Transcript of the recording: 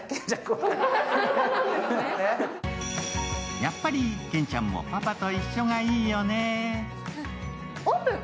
やっぱり、ケンちゃんもパパと一緒がいいよね。